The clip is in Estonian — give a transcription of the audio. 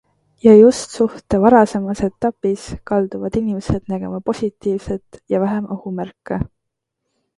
Ja just suhte varasemas etapis kalduvad inimesed nägema positiivset ja vähem ohumärke.